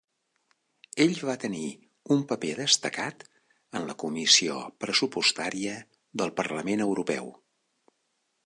Ell va tenir un paper destacat en la comissió pressupostària del Parlament Europeu.